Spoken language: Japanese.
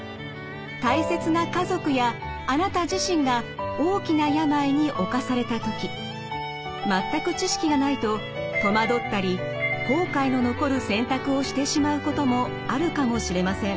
大切な家族やあなた自身が全く知識がないと戸惑ったり後悔の残る選択をしてしまうこともあるかもしれません。